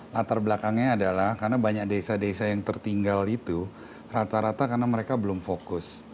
latar belakangnya adalah karena banyak desa desa yang tertinggal itu rata rata karena mereka belum fokus